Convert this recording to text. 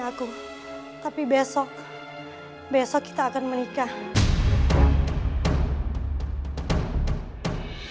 aku tak akan menikah